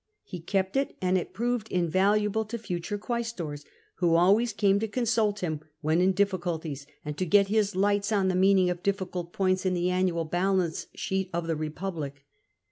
He kept it, and it proved invaluable to future quaestors, who always came to consult him when in difficulties, and to get his lights on the meaning of difficult points in the annual balance sheet of the Republic.